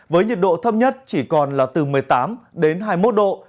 với nhiệt độ thấp nhất chỉ còn là hai mươi năm đến hai mươi tám độ